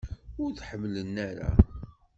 Ur t-ḥemmlen ara?